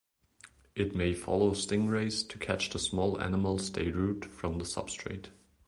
It may follow stingrays to catch the small animals they root from the substrate.